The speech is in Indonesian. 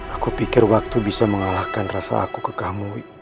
aku pikir waktu bisa mengalahkan rasa aku ke kamu